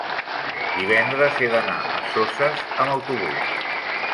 divendres he d'anar a Soses amb autobús.